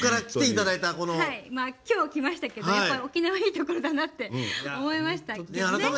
きょう来ましたけど沖縄いいところだなって思いました。